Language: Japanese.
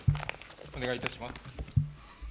お願いいたします。